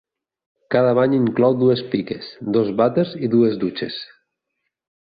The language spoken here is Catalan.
Cada bany inclou dues piques, dos vàters i dues dutxes.